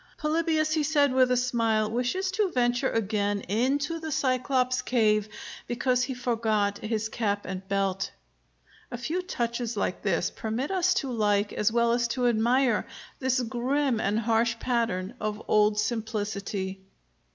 "Polybius," he said, with a smile, "wishes to venture again into the Cyclops's cave, because he forgot his cap and belt." A few touches like this permit us to like, as well as to admire, this grim and harsh pattern of old simplicity.